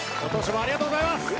ありがとうございます。